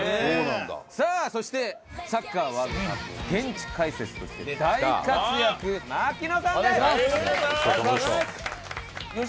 さあそしてサッカーワールドカップ現地解説として大活躍槙野さんです。